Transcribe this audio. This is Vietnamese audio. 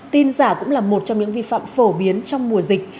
tin giả cũng là một trong những vi phạm phổ biến trong mùa dịch